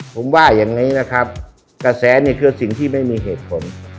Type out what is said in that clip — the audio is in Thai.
ผมว่าอย่างนี้นะครับกระแสนี่คือสิ่งที่ไม่มีเหตุผล